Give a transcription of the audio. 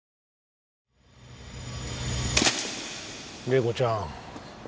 麗子ちゃん。